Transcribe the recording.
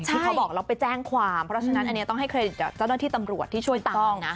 ที่เขาบอกแล้วไปแจ้งความเพราะฉะนั้นอันนี้ต้องให้เครดิตเจ้าหน้าที่ตำรวจที่ช่วยตามกล้องนะ